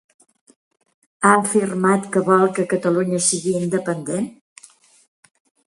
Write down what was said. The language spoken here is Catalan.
Ha afirmat que vol que Catalunya sigui independent?